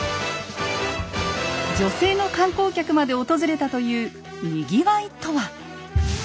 女性の観光客まで訪れたというにぎわいとは⁉